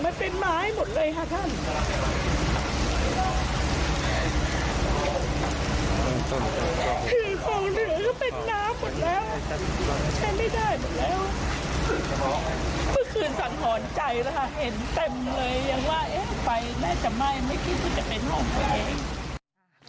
เมื่อคืนสังหรณ์ใจเห็นเต็มเลยยังว่าไฟน่าจะไหม้ไม่คิดว่าจะเป็นห้องตัวเอง